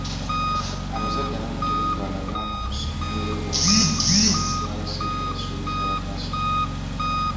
Abazadde abamu tebatwala baana ku ssomero olw'obuwanguzi bw'abasajja abasuubuzi abataasoma.